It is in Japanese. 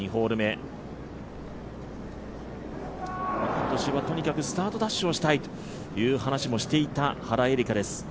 今年はとにかくスタートダッシュをしたいという話もしていた原英莉花です。